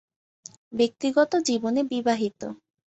ব্যক্তিগত জীবনে বিবাহিত।